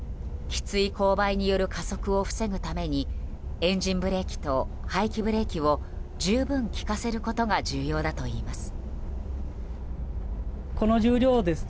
きつい勾配による加速を防ぐためにエンジンブレーキと排気ブレーキを十分利かせることが重要だといいます。